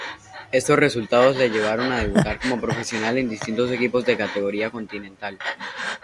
Estos resultados le llevaron a debutar como profesional en distintos equipos de categoría continental.